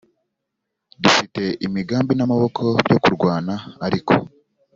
Dufite imigambi n amaboko byo kurwana ariko